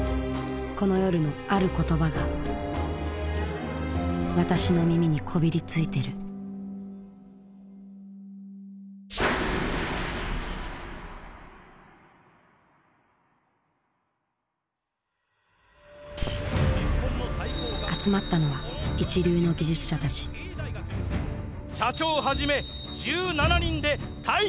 この夜のある言葉が私の耳にこびりついてる集まったのは一流の技術者たち社長はじめ１７人で大挙襲来！